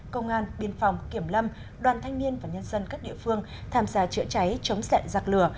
công an biên phòng kiểm lâm đoàn thanh niên và nhân dân các địa phương tham gia chữa cháy chống xẹn giặc lửa